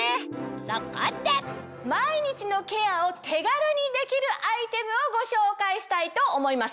そこで毎日のケアを手軽にできるアイテムをご紹介したいと思います。